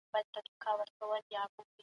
ایا تاسو د هانمین د ماشین په اړه څه پوهیږئ؟